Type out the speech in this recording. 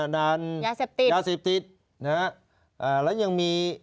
ด่านยาติเสพติดนะครับแล้วยังมี